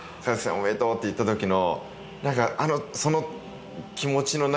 おめでとうって言ったときの。